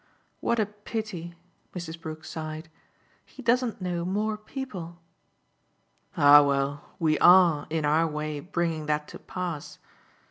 What a pity," Mrs. Brook sighed, "he doesn't know more people!" "Ah well, we ARE, in our way, bringing that to pass.